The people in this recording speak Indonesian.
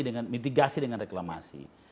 dengan mitigasi dengan reklamasi